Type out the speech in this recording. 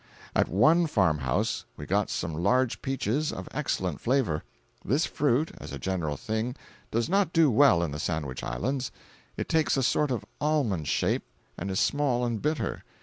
At one farmhouse we got some large peaches of excellent flavor. This fruit, as a general thing, does not do well in the Sandwich Islands. It takes a sort of almond shape, and is small and bitter.